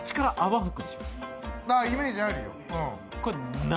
イメージあるよ。